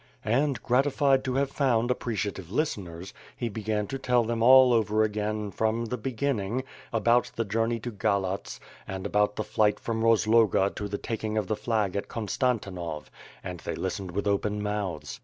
And, gratified to have found appreciative listeners, he be gan to tell them all over again, from the beginning — ^about the journey to Galatz, and about the flight from Rozloga to the taking of the flag at Konstantinov, and they listened with open mouths.